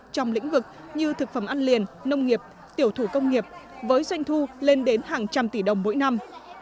trong lĩnh vực như thực phẩm ăn liền nông nghiệp tiểu thủ công nghiệp với doanh thu lên đến hàng trăm tỷ đồng mỗi năm